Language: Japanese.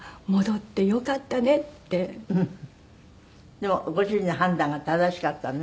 でもご主人の判断が正しかったのね。